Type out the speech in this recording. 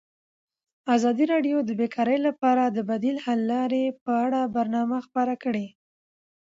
ازادي راډیو د بیکاري لپاره د بدیل حل لارې په اړه برنامه خپاره کړې.